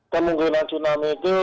pengguna tsunami itu